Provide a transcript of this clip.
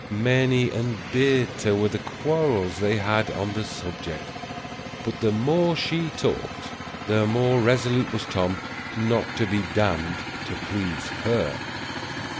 Many and bitter were the quarrels they had on the subject; but the more she talked, the more resolute was Tom not to be damned to please her.